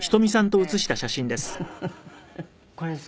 これです。